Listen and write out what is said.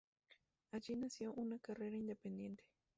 Allí inició una carrera independiente.